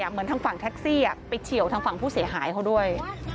เหมือนทางฝั่งแท็กซี่ไปเฉียวทางฝั่งผู้เสียหายเขาด้วย